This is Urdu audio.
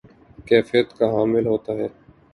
کیفیت کا حامل ہوتا ہے